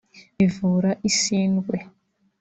bivura isindwe